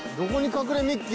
隠れミッキー？